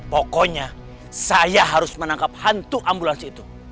pokoknya saya harus menangkap hantu ambulans itu